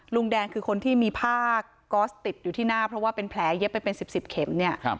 ลุงแดงคือคนที่มีผ้าก๊อสติดอยู่ที่หน้าเพราะว่าเป็นแผลเย็บไปเป็น๑๐เข็มเนี่ย